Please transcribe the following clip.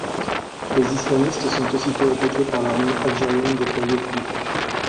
Les islamistes sont aussitôt attaqués par l'armée algérienne déployée aux frontières.